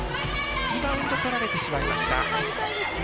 リバウンドを取られてしまいました。